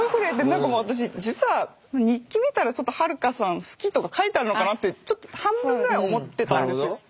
なんか私実は日記見たら「はるかさん好き」とか書いてあるのかなってちょっと半分ぐらい思ってたんですよ。